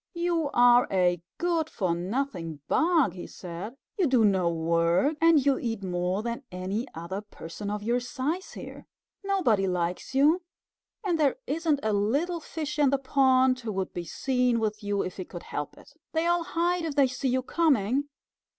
"You are a good for nothing bug," he said. "You do no work, and you eat more than any other person of your size here. Nobody likes you, and there isn't a little fish in the pond who would be seen with you if he could help it. They all hide if they see you coming.